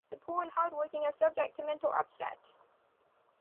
The poor and hard-working are subject to mental upset.